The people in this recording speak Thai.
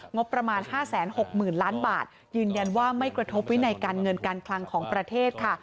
งบประมาณ๕๖๐๐๐ล้านบาทยืนยันว่าไม่กระทบวินัยการเงินการคลังของประเทศค่ะ